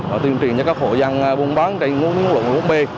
và tuyên truyền cho các hộ dân buôn bán trên nguồn nguồn luận một mươi bốn b